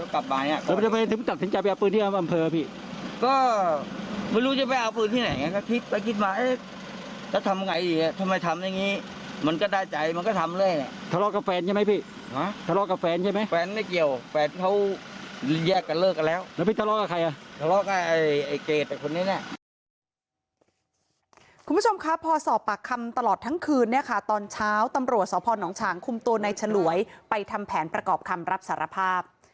คุณผู้ชมคะพอสอบปากคำตลอดทั้งคืนเนี่ยค่ะตอนเช้าตำรวจสพนฉางคุมตัวในฉลวยไปทำแผนประกอบคำรับสารภาพ